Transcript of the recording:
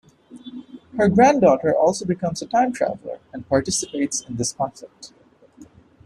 Her granddaughter also becomes a time-traveler and participates in this conflict.